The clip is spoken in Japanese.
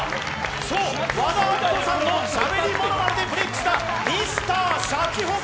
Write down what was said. そう、和田アキ子さんのしゃべりものまねでブレイクしたＭｒ．シャチホコ。